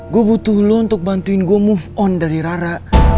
gue butuh lo untuk bantuin gue move on dari rara